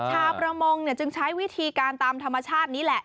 ชาวประมงจึงใช้วิธีการตามธรรมชาตินี้แหละ